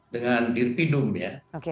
dengan dirtipidum ya